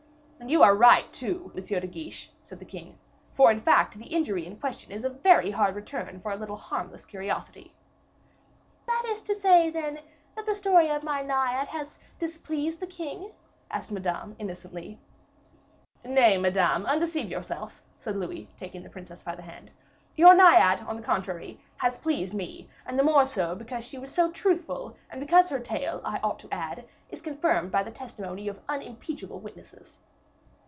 "And you are right, too, Monsieur de Guiche," said the king; "for, in fact, the injury in question is a very hard return for a little harmless curiosity." "That is as much to say, then, that the story of my Naiad has displeased the king?" asked Madame, innocently. "Nay, Madame, undeceive yourself," said Louis, taking the princess by the hand; "your Naiad, on the contrary, has pleased me, and the more so, because she was so truthful, and because her tale, I ought to add, is confirmed by the testimony of unimpeachable witnesses."